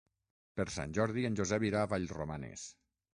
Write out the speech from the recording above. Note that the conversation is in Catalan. Per Sant Jordi en Josep irà a Vallromanes.